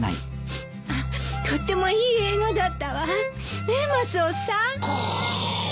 とってもいい映画だったわねえマスオさん。